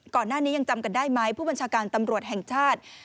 ก่อนหน้านี้ยังจำกันได้ไหมผู้บัญชาการตำรวจแห่งชาติ